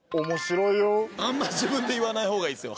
あんま自分で言わない方がいいですよ。